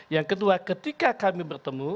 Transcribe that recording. yang kedua ketika kami bertemu